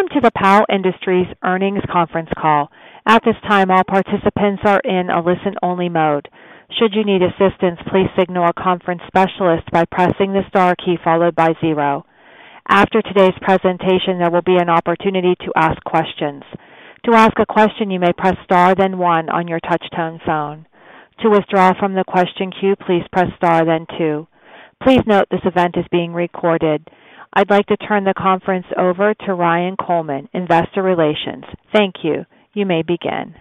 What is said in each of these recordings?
Welcome to the Powell Industries Earnings Conference Call. At this time, all participants are in a listen-only mode. Should you need assistance, please signal a conference specialist by pressing the star key followed by zero. After today's presentation, there will be an opportunity to ask questions. To ask a question, you may press star, then one on your touch-tone phone. To withdraw from the question queue, please press star, then two. Please note this event is being recorded. I'd like to turn the conference over to Ryan Coleman, Investor Relations. Thank you. You may begin.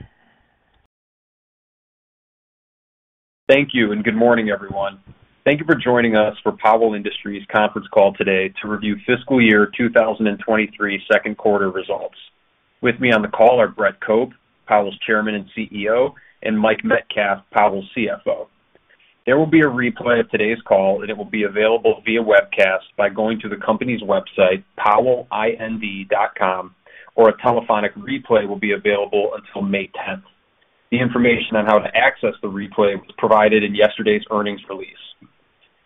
Thank you, and good morning, everyone. Thank you for joining us for Powell Industries conference call today to review fiscal year 2023 second quarter results. With me on the call are Brett Cope, Powell's Chairman and CEO, and Mike Metcalf, Powell's CFO. There will be a replay of today's call, and it will be available via webcast by going to the company's website, powellind.com, or a telephonic replay will be available until May 10th. The information on how to access the replay was provided in yesterday's earnings release.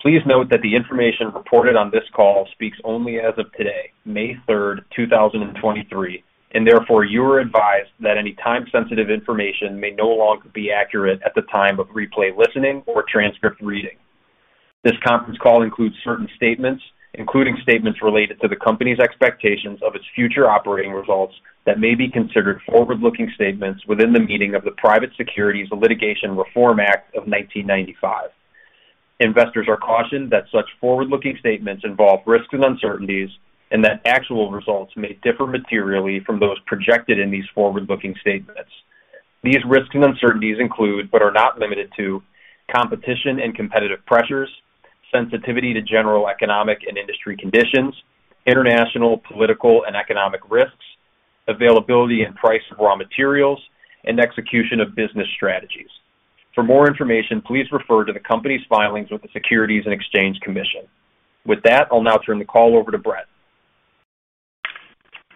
Please note that the information reported on this call speaks only as of today, May 3rd, 2023, and therefore you are advised that any time-sensitive information may no longer be accurate at the time of replay listening or transcript reading. This conference call includes certain statements, including statements related to the company's expectations of its future operating results that may be considered forward-looking statements within the meaning of the Private Securities Litigation Reform Act of 1995. Investors are cautioned that such forward-looking statements involve risks and uncertainties and that actual results may differ materially from those projected in these forward-looking statements. These risks and uncertainties include, but are not limited to, competition and competitive pressures, sensitivity to general economic and industry conditions, international political and economic risks, availability and price of raw materials, and execution of business strategies. For more information, please refer to the company's filings with the Securities and Exchange Commission. With that, I'll now turn the call over to Brett.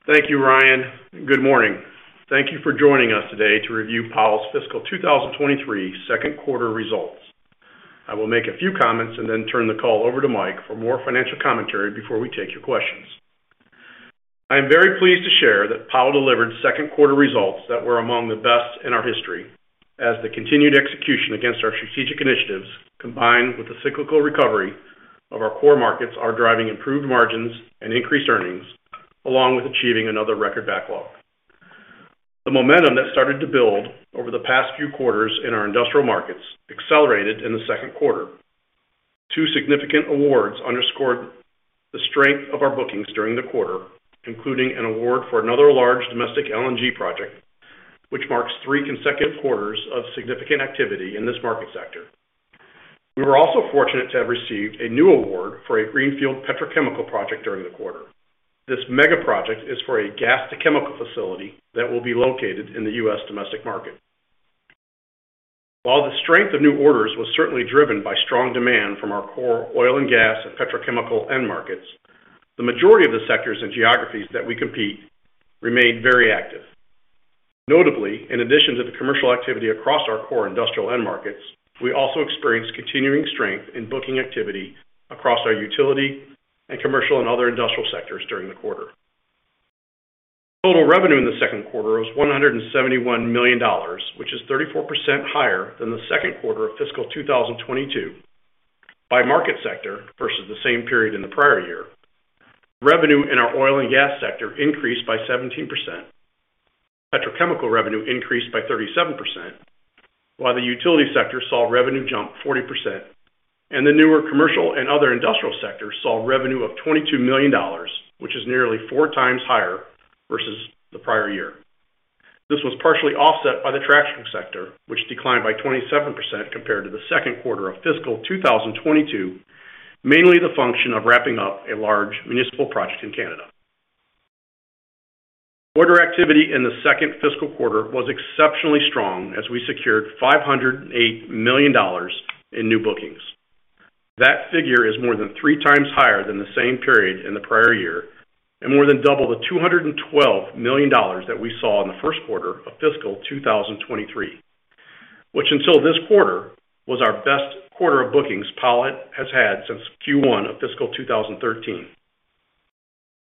Thank you, Ryan. Good morning. Thank you for joining us today to review Powell's fiscal 2023 second quarter results. I will make a few comments and then turn the call over to Mike for more financial commentary before we take your questions. I am very pleased to share that Powell delivered second quarter results that were among the best in our history as the continued execution against our strategic initiatives, combined with the cyclical recovery of our core markets, are driving improved margins and increased earnings, along with achieving another record backlog. The momentum that started to build over the past few quarters in our industrial markets accelerated in the second quarter. Two significant awards underscored the strength of our bookings during the quarter, including an award for another large domestic LNG project, which marks 3 consecutive quarters of significant activity in this market sector. We were also fortunate to have received a new award for a greenfield petrochemical project during the quarter. This mega project is for a gas-to-chemical facility that will be located in the U.S. domestic market. While the strength of new orders was certainly driven by strong demand from our core oil and gas and petrochemical end markets, the majority of the sectors and geographies that we compete remained very active. Notably, in addition to the commercial activity across our core industrial end markets, we also experienced continuing strength in booking activity across our utility and commercial and other industrial sectors during the quarter. Total revenue in the second quarter was $171 million, which is 34% higher than the second quarter of fiscal 2022. By market sector versus the same period in the prior year, revenue in our oil and gas sector increased by 17%. Petrochemical revenue increased by 37%, while the utility sector saw revenue jump 40%. The newer commercial and other industrial sectors saw revenue of $22 million, which is nearly 4 times higher versus the prior year. This was partially offset by the traction sector, which declined by 27% compared to the second quarter of fiscal 2022, mainly the function of wrapping up a large municipal project in Canada. Order activity in the second fiscal quarter was exceptionally strong as we secured $508 million in new bookings. That figure is more than 3 times higher than the same period in the prior year and more than double the $212 million that we saw in the first quarter of fiscal 2023, which until this quarter was our best quarter of bookings Powell has had since Q1 of fiscal 2013.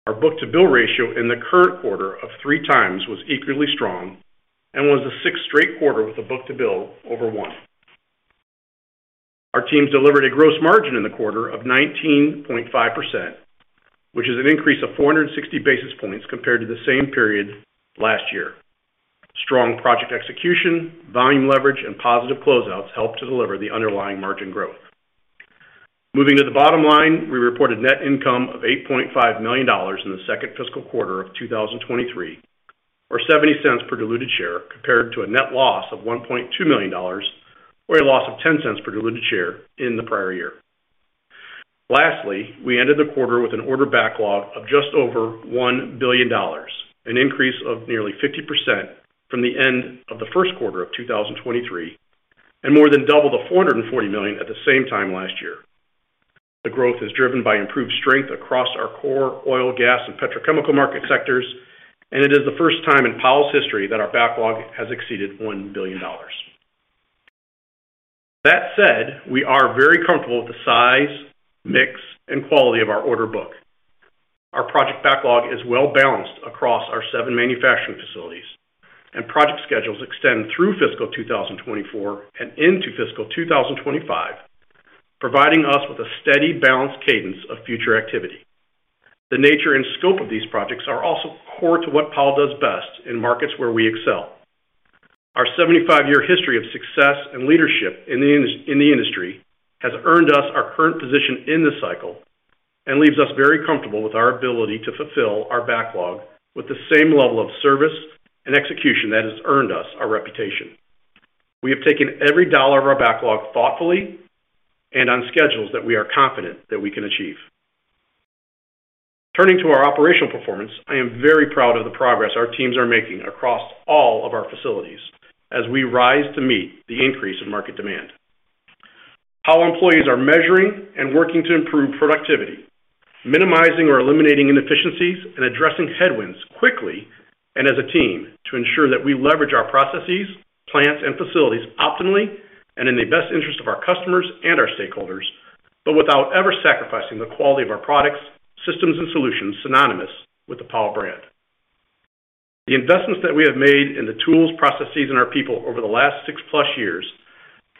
Our book-to-bill ratio in the current quarter of 3 times was equally strong and was the sixth straight quarter with a book-to-bill over 1. Our teams delivered a gross margin in the quarter of 19.5%, which is an increase of 460 basis points compared to the same period last year. Strong project execution, volume leverage, and positive closeouts helped to deliver the underlying margin growth. Moving to the bottom line, we reported net income of $8.5 million in the second fiscal quarter of 2023, or $0.70 per diluted share, compared to a net loss of $1.2 million or a loss of $0.10 per diluted share in the prior year. Lastly, we ended the quarter with an order backlog of just over $1 billion, an increase of nearly 50% from the end of the first quarter of 2023, and more than double the $440 million at the same time last year. The growth is driven by improved strength across our core oil, gas, and petrochemical market sectors, and it is the first time in Powell's history that our backlog has exceeded $1 billion dollarssaid, we are very comfortable with the size, mix, and quality of our order book. Our project backlog is well-balanced across our 7 manufacturing facilities, and project schedules extend through fiscal 2024 and into fiscal 2025, providing us with a steady, balanced cadence of future activity. The nature and scope of these projects are also core to what Powell does best in markets where we excel. Our 75-year history of success and leadership in the industry has earned us our current position in this cycle and leaves us very comfortable with our ability to fulfill our backlog with the same level of service and execution that has earned us our reputation. We have taken every dollar of our backlog thoughtfully and on schedules that we are confident that we can achieve. Turning to our operational performance, I am very proud of the progress our teams are making across all of our facilities as we rise to meet the increase in market demand. Our employees are measuring and working to improve productivity, minimizing or eliminating inefficiencies, and addressing headwinds quickly and as a team to ensure that we leverage our processes, plants, and facilities optimally and in the best interest of our customers and our stakeholders, without ever sacrificing the quality of our products, systems, and solutions synonymous with the Powell brand. The investments that we have made in the tools, processes, and our people over the last six-plus years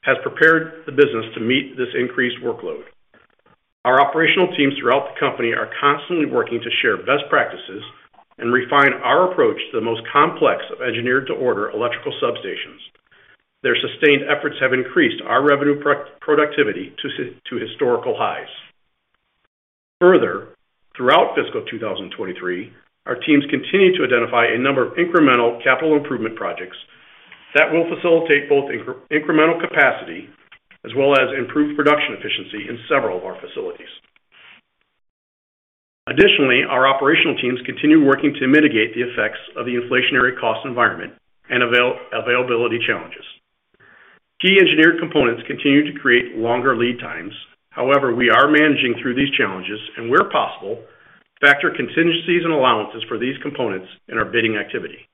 has prepared the business to meet this increased workload. Our operational teams throughout the company are constantly working to share best practices and refine our approach to the most complex of engineered to order electrical substations. Their sustained efforts have increased our revenue productivity to historical highs. Throughout fiscal 2023, our teams continued to identify a number of incremental capital improvement projects that will facilitate both incremental capacity as well as improved production efficiency in several of our facilities. Our operational teams continue working to mitigate the effects of the inflationary cost environment and availability challenges. Key engineered components continue to create longer lead times. We are managing through these challenges and, where possible, factor contingencies and allowances for these components in our bidding activity.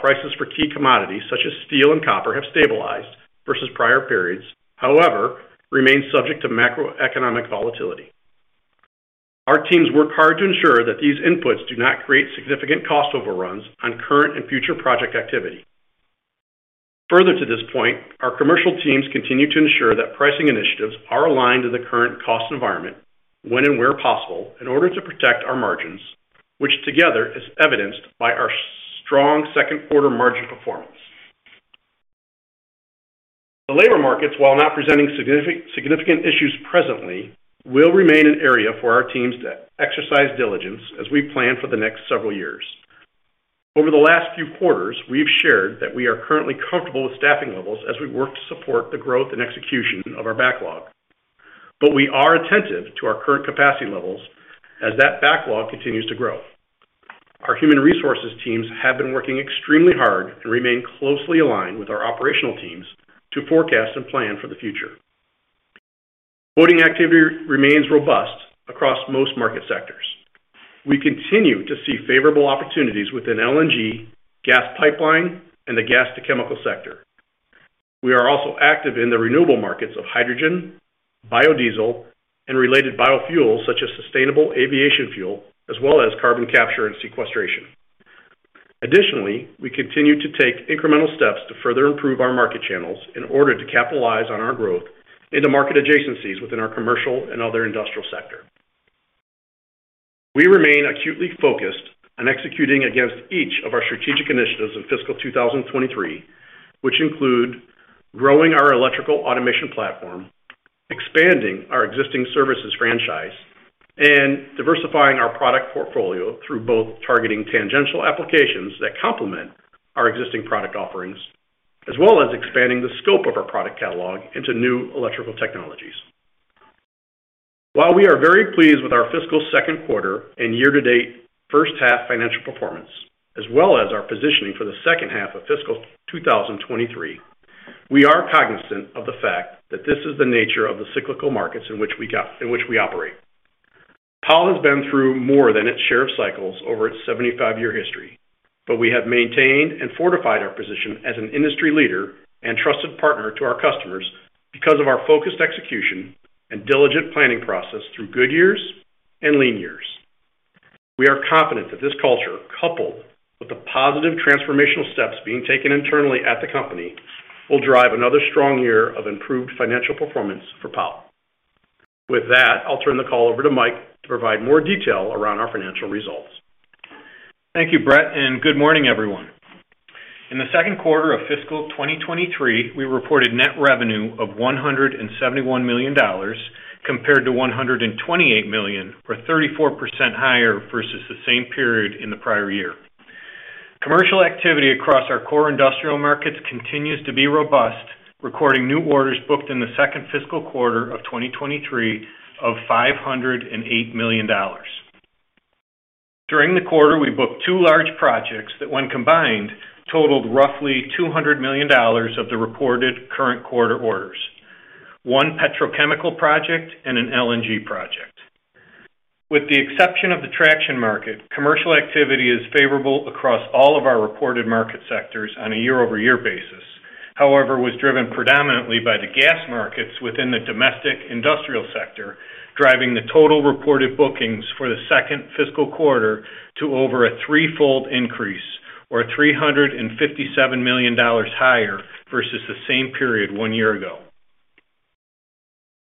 Prices for key commodities, such as steel and copper, have stabilized versus prior periods, however, remain subject to macroeconomic volatility. Our teams work hard to ensure that these inputs do not create significant cost overruns on current and future project activity. Further to this point, our commercial teams continue to ensure that pricing initiatives are aligned to the current cost environment when and where possible in order to protect our margins, which together is evidenced by our strong second quarter margin performance. The labor markets, while not presenting significant issues presently, will remain an area for our teams to exercise diligence as we plan for the next several years. Over the last few quarters, we've shared that we are currently comfortable with staffing levels as we work to support the growth and execution of our backlog. We are attentive to our current capacity levels as that backlog continues to grow. Our human resources teams have been working extremely hard and remain closely aligned with our operational teams to forecast and plan for the future. Order activity remains robust across most market sectors. We continue to see favorable opportunities within LNG, gas pipeline, and the gas-to-chemical sector. We are also active in the renewable markets of hydrogen, biodiesel, and related biofuels such as sustainable aviation fuel, as well as carbon capture and sequestration. Additionally, we continue to take incremental steps to further improve our market channels in order to capitalize on our growth into market adjacencies within our commercial and other industrial sector. We remain acutely focused on executing against each of our strategic initiatives in fiscal 2023, which include growing our electrical automation platform, expanding our existing services franchise, and diversifying our product portfolio through both targeting tangential applications that complement our existing product offerings, as well as expanding the scope of our product catalog into new electrical technologies. While we are very pleased with our fiscal second quarter and year-to-date first half financial performance, as well as our positioning for the second half of fiscal 2023, we are cognizant of the fact that this is the nature of the cyclical markets in which we operate. Powell has been through more than its share of cycles over its 75 year history, we have maintained and fortified its position as an industry leader and trusted partner to our customers because of our focused execution and diligent planning process through good years and lean years. We are confident that this culture, coupled with the positive transformational steps being taken internally at the company, will drive another strong year of improved financial performance for Powell. With that, I'll turn the call over to Mike to provide more detail around our financial results. Thank you, Brett. Good morning, everyone. In the second quarter of fiscal 2023, we reported net revenue of $171 million compared to $128 million, or 34% higher versus the same period in the prior year. Commercial activity across our core industrial markets continues to be robust, recording new orders booked in the second fiscal quarter of 2023 of $508 million. During the quarter, we booked two large projects that, when combined, totaled roughly $200 million of the reported current quarter orders. One petrochemical project and an LNG project. With the exception of the traction market, commercial activity is favorable across all of our reported market sectors on a year-over-year basis. Was driven predominantly by the gas markets within the domestic industrial sector, driving the total reported bookings for the second fiscal quarter to over a 3-fold increase or $357 million higher versus the same period one year ago.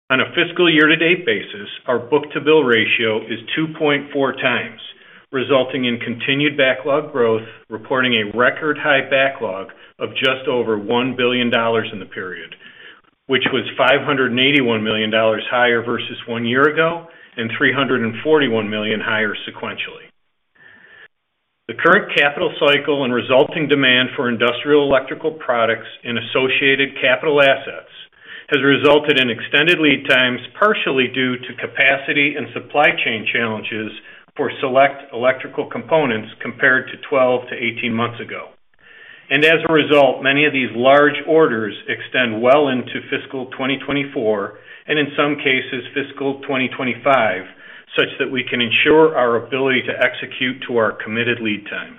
On a fiscal year-to-date basis, our book-to-bill ratio is 2.4 times, resulting in continued backlog growth, reporting a record high backlog of just over $1 billion in the period, which was $581 million higher versus one year ago and $341 million higher sequentially. The current capital cycle and resulting demand for industrial electrical products and associated capital assets has resulted in extended lead times, partially due to capacity and supply chain challenges for select electrical components compared to 12 to 18 months ago. As a result, many of these large orders extend well into fiscal 2024 and in some cases, fiscal 2025, such that we can ensure our ability to execute to our committed lead times.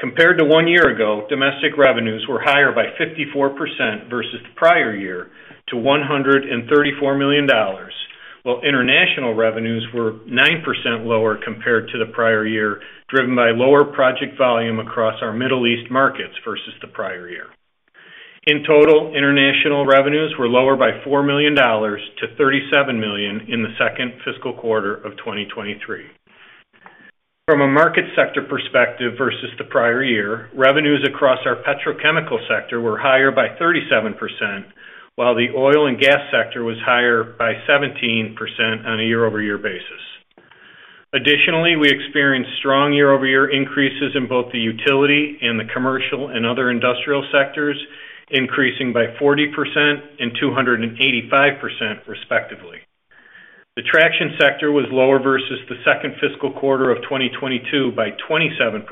Compared to 1 year ago, domestic revenues were higher by 54% versus the prior year to $134 million, while international revenues were 9% lower compared to the prior year, driven by lower project volume across our Middle East markets versus the prior year. In total, international revenues were lower by $4 million to $37 million in the second fiscal quarter of 2023. From a market sector perspective versus the prior year, revenues across our petrochemical sector were higher by 37%, while the oil and gas sector was higher by 17% on a year-over-year basis. Additionally, we experienced strong year-over-year increases in both the utility and the commercial and other industrial sectors, increasing by 40% and 285%, respectively. The traction sector was lower versus the second fiscal quarter of 2022 by 27%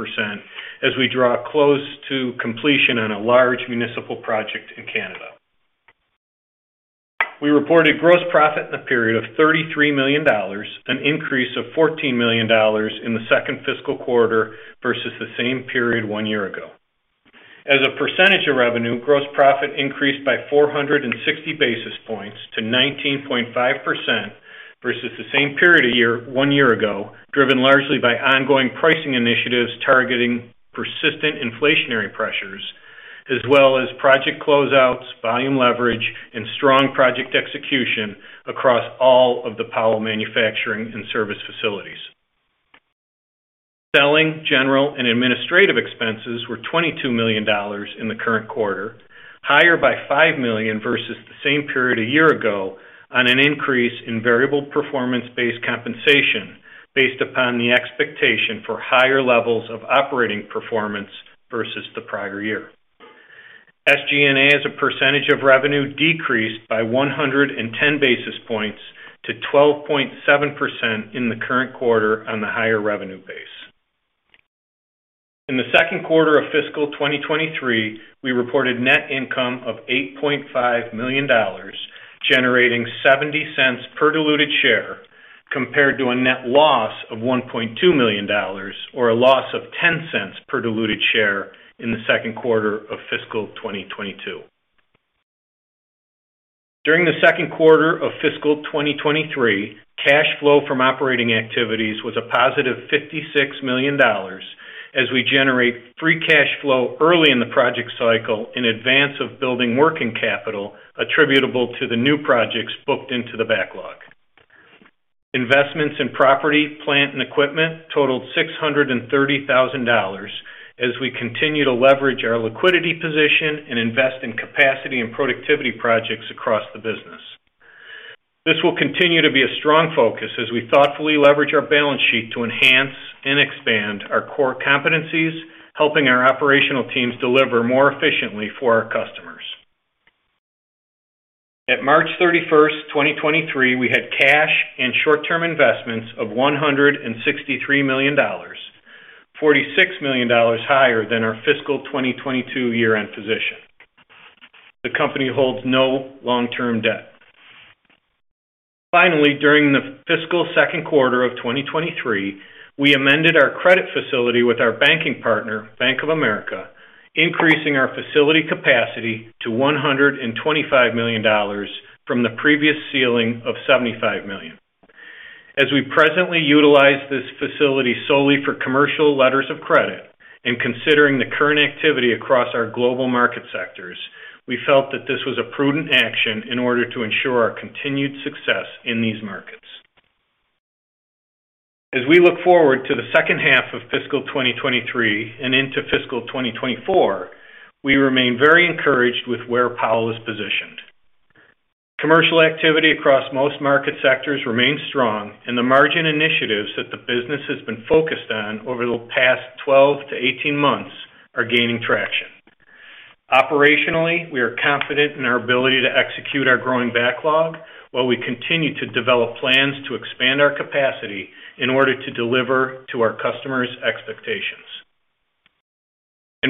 as we draw close to completion on a large municipal project in Canada. We reported gross profit in the period of $33 million, an increase of $14 million in the second fiscal quarter versus the same period 1 year ago. As a percentage of revenue, gross profit increased by 460 basis points to 19.5% versus the same period 1 year ago, driven largely by ongoing pricing initiatives targeting persistent inflationary pressures as well as project closeouts, volume leverage, and strong project execution across all of the Powell manufacturing and service facilities. Selling, general, and administrative expenses were $22 million in the current quarter, higher by $5 million versus the same period a year ago on an increase in variable performance-based compensation based upon the expectation for higher levels of operating performance versus the prior year. SG&A, as a percentage of revenue, decreased by 110 basis points to 12.7% in the current quarter on the higher revenue base. In the second quarter of fiscal 2023, we reported net income of $8.5 million, generating $0.70 per diluted share compared to a net loss of $1.2 million or a loss of $0.10 per diluted share in the second quarter of fiscal 2022. During the second quarter of fiscal 2023, cash flow from operating activities was a positive $56 million as we generate free cash flow early in the project cycle in advance of building working capital attributable to the new projects booked into the backlog. Investments in property, plant, and equipment totaled $630,000 as we continue to leverage our liquidity position and invest in capacity and productivity projects across the business. This will continue to be a strong focus as we thoughtfully leverage our balance sheet to enhance and expand our core competencies, helping our operational teams deliver more efficiently for our customers. At March 31, 2023, we had cash and short-term investments of $163 million, $46 million higher than our fiscal 2022 year-end position. The company holds no long-term debt. Finally, during the fiscal second quarter of 2023, we amended our credit facility with our banking partner, Bank of America, increasing our facility capacity to $125 million from the previous ceiling of $75 million. As we presently utilize this facility solely for commercial letters of credit and considering the current activity across our global market sectors, we felt that this was a prudent action in order to ensure our continued success in these markets. As we look forward to the second half of fiscal 2023 and into fiscal 2024, we remain very encouraged with where Powell is positioned. Commercial activity across most market sectors remains strong, and the margin initiatives that the business has been focused on over the past 12-18 months are gaining traction. Operationally, we are confident in our ability to execute our growing backlog, while we continue to develop plans to expand our capacity in order to deliver to our customers' expectations.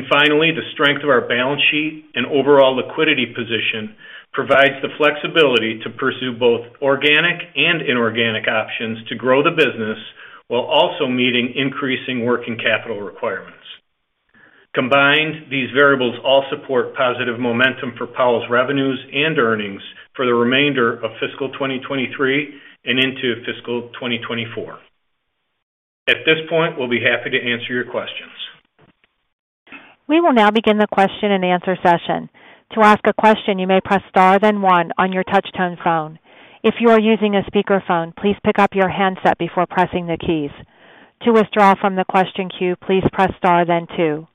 Finally, the strength of our balance sheet and overall liquidity position provides the flexibility to pursue both organic and inorganic options to grow the business while also meeting increasing working capital requirements. Combined, these variables all support positive momentum for Powell's revenues and earnings for the remainder of fiscal 2023 and into fiscal 2024. At this point, we'll be happy to answer your questions. We will now begin the question-and-answer session. To ask a question, you may press Star-One on your touchtone phone. If you are using a speakerphone, please pick up your handset before pressing the keys. To withdraw from the question queue, please press Star then two.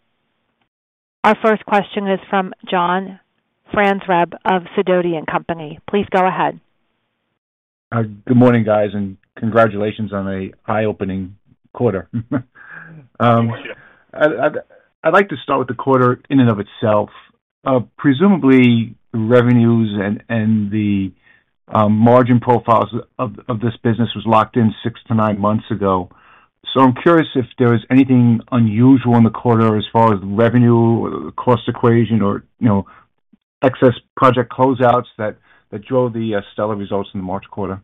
Our first question is from John Franzreb of Sidoti & Company. Please go ahead. good morning, guys, and congratulations on a eye-opening quarter. Thank you. I'd like to start with the quarter in and of itself. Presumably revenues and the margin profiles of this business was locked in 6 to 9 months ago. I'm curious if there was anything unusual in the quarter as far as revenue or cost equation or, you know, excess project closeouts that drove the stellar results in the March quarter?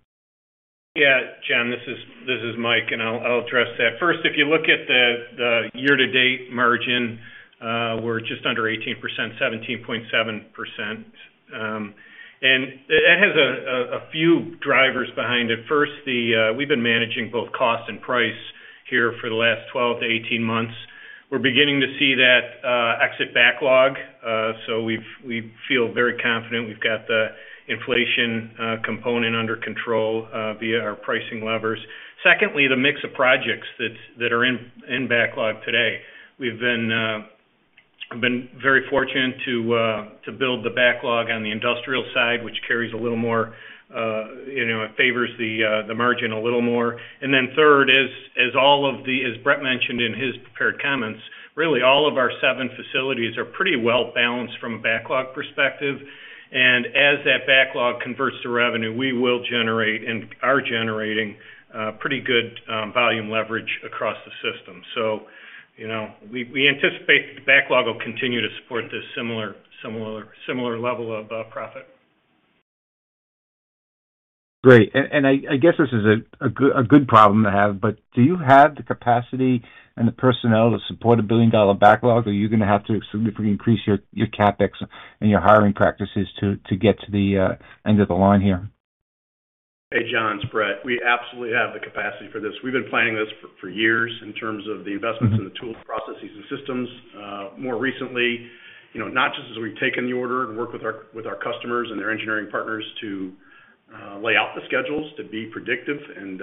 Yeah. John, this is Mike, and I'll address that. First, if you look at the year-to-date margin, we're just under 18%, 17.7%. And it has a few drivers behind it. First, we've been managing both cost and price here for the last 12 to 18 months. We're beginning to see that exit backlog. So we feel very confident we've got the inflation component under control via our pricing levers. Secondly, the mix of projects that are in backlog today. We've been very fortunate to build the backlog on the industrial side, which carries a little more, you know, it favors the margin a little more. Third, as all. As Brett mentioned in his prepared comments, really all of our seven facilities are pretty well balanced from a backlog perspective. As that backlog converts to revenue, we will generate and are generating pretty good volume leverage across the system. you know, we anticipate the backlog will continue to support this similar level of profit. Great. I guess this is a good problem to have, but do you have the capacity and the personnel to support a billion-dollar backlog? Are you gonna have to significantly increase your CapEx and your hiring practices to get to the end of the line here? Hey, John. It's Brett. We absolutely have the capacity for this. We've been planning this for years in terms of the investments. Mm-hmm. In the tools, processes, and systems. More recently, you know, not just as we've taken the order and worked with our, with our customers and their engineering partners to lay out the schedules to be predictive and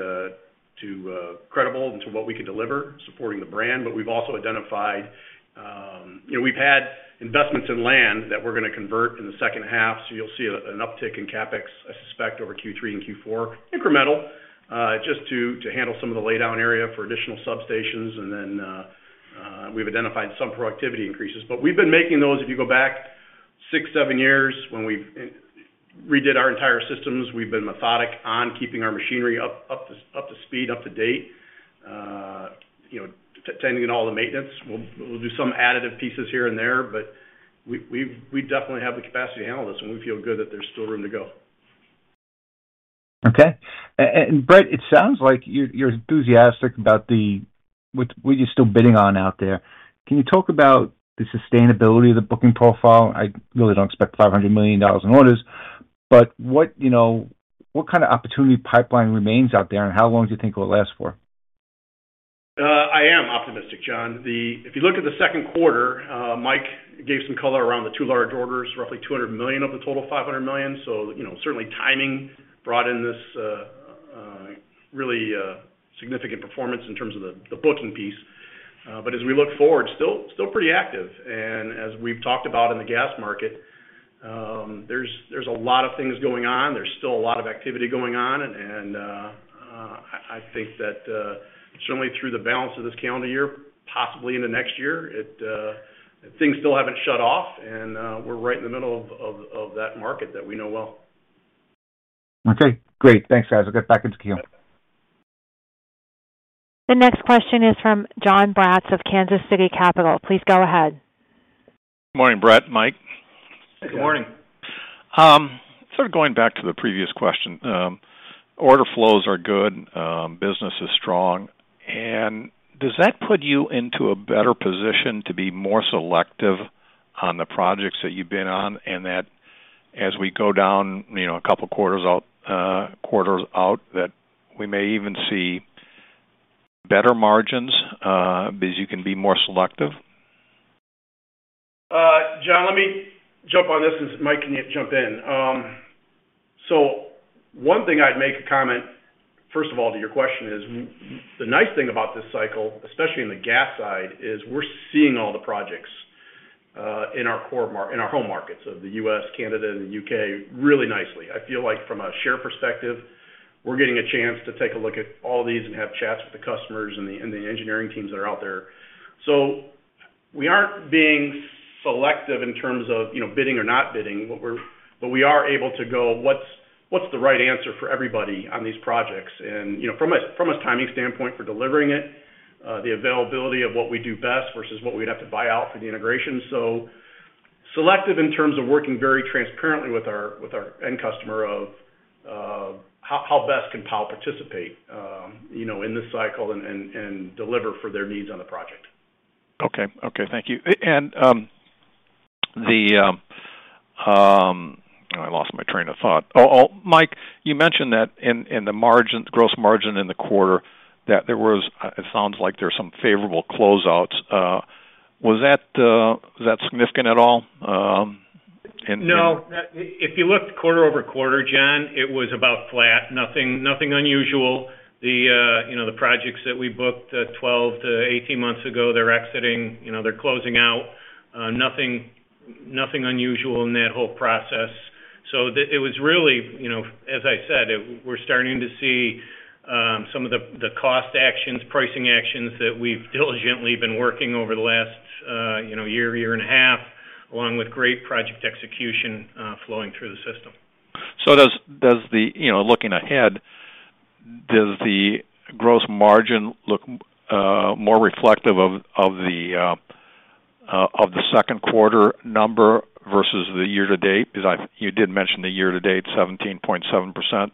to credible into what we can deliver, supporting the brand, but we've also identified. You know, we've had investments in land that we're gonna convert in the second half. You'll see an uptick in CapEx, I suspect, over Q3 and Q4. Incremental, just to handle some of the laydown area for additional substations. Then, we've identified some productivity increases. We've been making those, if you go back six, seven years, when we redid our entire systems. We've been methodic on keeping our machinery up to speed, up to date, you know, tending in all the maintenance. We'll do some additive pieces here and there, but we definitely have the capacity to handle this, and we feel good that there's still room to go. Okay. Brett, it sounds like you're enthusiastic about what you're still bidding on out there. Can you talk about the sustainability of the booking profile? I really don't expect $500 million in orders, but what, you know, what kind of opportunity pipeline remains out there, and how long do you think it will last for? I am optimistic, John. If you look at the second quarter, Mike gave some color around the two large orders, roughly $200 million of the total $500 million. You know, certainly timing brought in this really significant performance in terms of the booking piece. As we look forward, still pretty active. As we've talked about in the gas market, there's a lot of things going on. There's still a lot of activity going on. I think that certainly through the balance of this calendar year, possibly into next year, things still haven't shut off, and we're right in the middle of that market that we know well. Okay, great. Thanks, guys. I'll get back into queue. The next question is from John Brats of Kansas City Capital. Please go ahead. Morning, Brett, Mike. Good morning. Sort of going back to the previous question, order flows are good, business is strong, and does that put you into a better position to be more selective on the projects that you've been on, and that as we go down, you know, a couple quarters out, that we may even see better margins, because you can be more selective? John, let me jump on this, and Mike, can you jump in? One thing I'd make a comment, first of all, to your question is, the nice thing about this cycle, especially in the gas side, is we're seeing all the projects in our home markets of the U.S., Canada, and the U.K. really nicely. I feel like from a share perspective, we're getting a chance to take a look at all these and have chats with the customers and the engineering teams that are out there. We aren't being selective in terms of, you know, bidding or not bidding. We are able to go, what's the right answer for everybody on these projects? You know, from a timing standpoint for delivering it, the availability of what we do best versus what we'd have to buy out for the integration. Selective in terms of working very transparently with our end customer of, how best can Powell participate, you know, in this cycle and deliver for their needs on the project. Okay. Thank you. I lost my train of thought. Oh, Mike, you mentioned that in the margin, gross margin in the quarter, that there was, it sounds like there's some favorable closeouts. Was that significant at all? No. If you looked quarter-over-quarter, John, it was about flat. Nothing, nothing unusual. The, you know, the projects that we booked, 12 to 18 months ago, they're exiting, you know, they're closing out. Nothing, nothing unusual in that whole process. It was really, you know, as I said, we're starting to see some of the cost actions, pricing actions that we've diligently been working over the last, you know, year and a half, along with great project execution, flowing through the system. Does the, you know, looking ahead, does the gross margin look more reflective of the second quarter number versus the year to date? Because you did mention the year to date, 17.7%.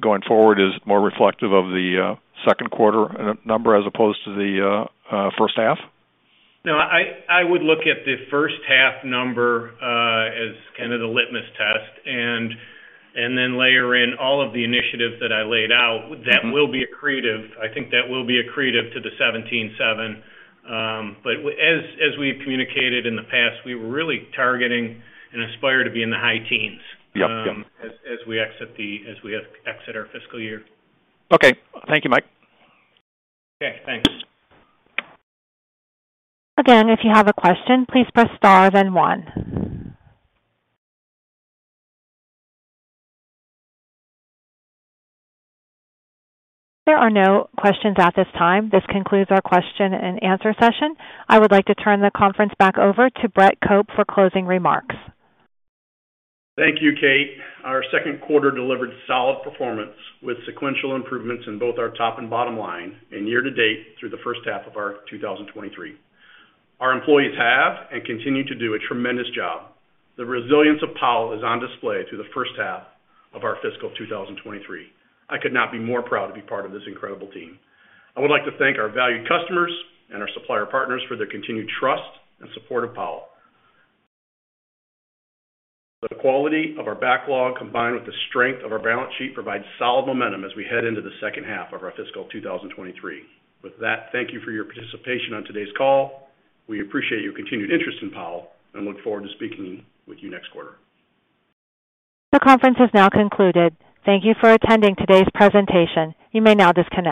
Going forward is more reflective of the second quarter number as opposed to the first half? I would look at the first half number as kind of the litmus test and then layer in all of the initiatives that I laid out that will be accretive. I think that will be accretive to the 17.7%. But as we've communicated in the past, we were really targeting and aspire to be in the high teens... Yep. Yep. as we exit our fiscal year. Okay. Thank you, Mike. Okay, thanks. If you have a question, please press star then one. There are no questions at this time. This concludes our question and answer session. I would like to turn the conference back over to Brett Cope for closing remarks. Thank you, Kate. Our second quarter delivered solid performance with sequential improvements in both our top and bottom line and year to date through the first half of our 2023. Our employees have and continue to do a tremendous job. The resilience of Powell is on display through the first half of our fiscal 2023. I could not be more proud to be part of this incredible team. I would like to thank our valued customers and our supplier partners for their continued trust and support of Powell. The quality of our backlog, combined with the strength of our balance sheet, provides solid momentum as we head into the second half of our fiscal 2023. With that, thank you for your participation on today's call. We appreciate your continued interest in Powell and look forward to speaking with you next quarter. The conference has now concluded. Thank You for attending today's presentation. You may now disconnect.